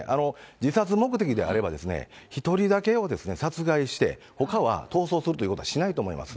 自殺目的であればですね、１人だけを殺害して、ほかは逃走するということはしないと思います。